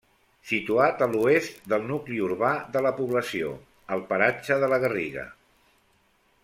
Situat a l'oest del nucli urbà de la població, al paratge de la Garriga.